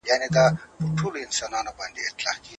خلع د ښځې لپاره حق دی.